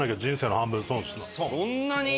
そんなに？